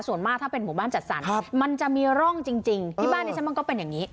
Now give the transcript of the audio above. ส่วนมากถ้าเป็นหมู่บ้านจัดสรรมันจะมีร่องจริงที่บ้านดิฉันมันก็เป็นอย่างนี้